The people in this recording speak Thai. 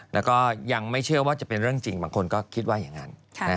แล้วก็ยังไม่เชื่อว่าจะเป็นเรื่องจริงบางคนก็คิดว่าอย่างนั้น